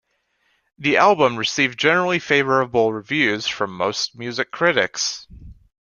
The album received generally favorable reviews from most music critics.